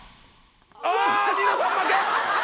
あニノさん負け！